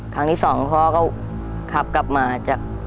ครั้งที่สองพ่อก็ขับกลับมาจาก